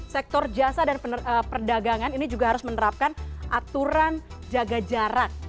sektor jasa dan perdagangan ini juga harus menerapkan aturan jaga jarak